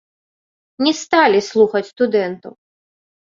Не сталі слухаць студэнтаў.